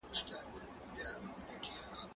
زه اوس ليکنې کوم؟